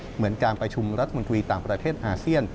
เหมือนการประชุมรัฐมนตรีต่างประเทศอาเซียน